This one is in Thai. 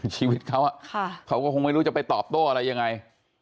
ชีวิตเขาเขาก็คงไม่รู้จะไปตอบโต้อะไรยังไง